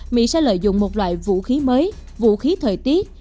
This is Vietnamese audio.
mỹ sẽ lợi dụng một loại vũ khí mới vũ khí thời tiết